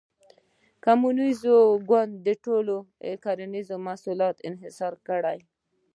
کمونېست ګوند ټول کرنیز محصولات انحصار کړل.